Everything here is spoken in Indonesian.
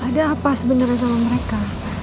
ada apa sebenarnya sama mereka